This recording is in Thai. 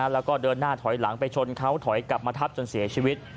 แล้วก็เดินหน้าถอยหลังไปชนเขาถอยกลับมาทับจนเสียชีวิต